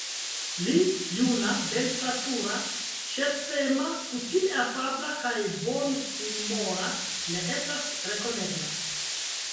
Li, juna, belstatura, ŝercema, kutime afabla kaj bonhumora, ne estas rekonebla.